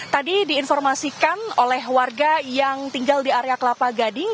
tadi diinformasikan oleh warga yang tinggal di area kelapa gading